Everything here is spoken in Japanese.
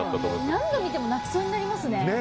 何度見ても泣きそうになりますね。